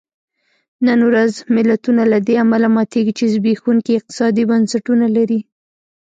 نن ورځ ملتونه له دې امله ماتېږي چې زبېښونکي اقتصادي بنسټونه لري.